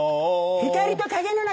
「光と影の中」